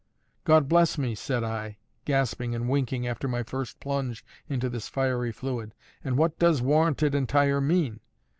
"God bless me!" said I, gasping and winking after my first plunge into this fiery fluid. "And what does 'Warranted Entire' mean?"